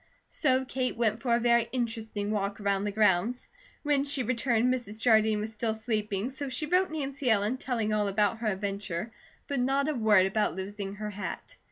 So Kate went for a very interesting walk around the grounds. When she returned Mrs. Jardine was still sleeping so she wrote Nancy Ellen, telling all about her adventure, but not a word about losing her hat.